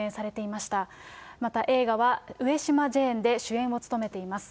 また映画は上島ジェーンで、主演を務めています。